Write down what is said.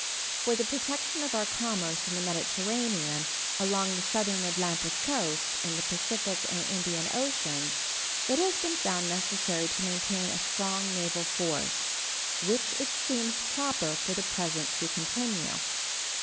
For the protection of our commerce in the Mediterranean, along the southern Atlantic coast, in the Pacific and Indian oceans, it has been found necessary to maintain a strong naval force, which it seems proper for the present to continue.